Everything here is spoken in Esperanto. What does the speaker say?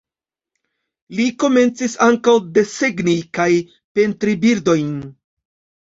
Li komencis ankaŭ desegni kaj pentri birdojn.